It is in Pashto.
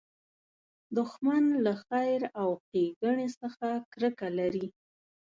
دښمن له خیر او ښېګڼې څخه کرکه لري